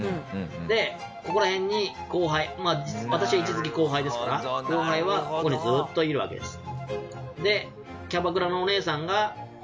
でここら辺に後輩私は位置づけ後輩ですから後輩はここにずっといるわけです。